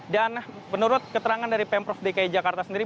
dan menurut keterangan dari pemprov dki jakarta sendiri